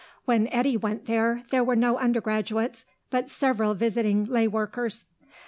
When Eddy went there, there were no undergraduates, but several visiting lay workers.